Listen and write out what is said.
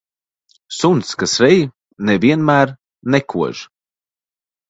Suns, kas rej, ne vienmēr nekož.